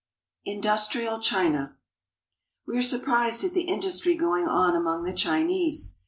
INDUSTRIAL CHINA WE are surprised at the industry going on among the Chinese.